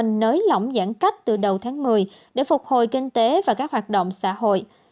nới lỏng giãn cách từ đầu tháng một mươi để phục hồi kinh tế và các hoạt động xã hội